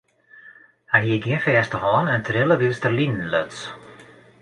Hy hie gjin fêste hân en trille wylst er linen luts.